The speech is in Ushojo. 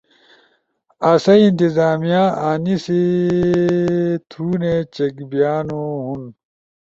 اسہ ئی انتظامیہ انیسی تھونے چک بیانو ہُون: